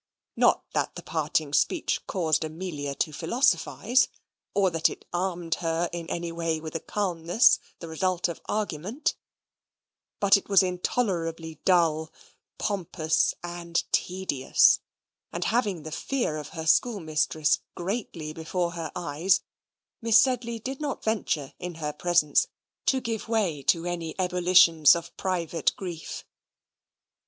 Not that the parting speech caused Amelia to philosophise, or that it armed her in any way with a calmness, the result of argument; but it was intolerably dull, pompous, and tedious; and having the fear of her schoolmistress greatly before her eyes, Miss Sedley did not venture, in her presence, to give way to any ebullitions of private grief.